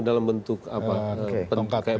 dalam bentuk apa kayak